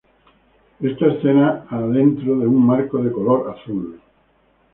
Esta escena adentro de un marco de color azul.